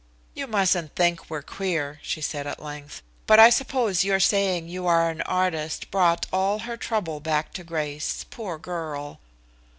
"You mustn't think we're queer," she said at length. "But I suppose your saying you are an artist brought all her trouble back to Grace, poor girl."